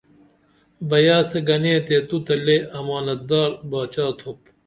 بیاسے گنے تے تو تہ لے امانتدار باچا تھوپ